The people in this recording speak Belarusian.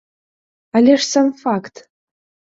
Але ж сам факт!